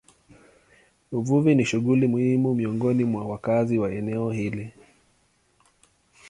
Uvuvi ni shughuli muhimu miongoni mwa wakazi wa eneo hili.